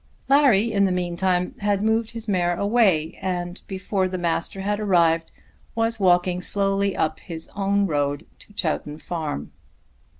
Larry in the meantime had moved his mare away, and before the Master had arrived, was walking slowly up his own road to Chowton Farm.